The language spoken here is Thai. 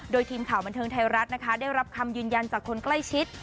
โดยทีมข่าวบันเทิงไทยรัฐนะคะได้รับคำยืนยันจากคนใกล้ชิด